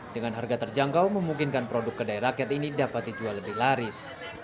dengan harga terjangkau memungkinkan produk kedai rakyat ini dapat dijual lebih laris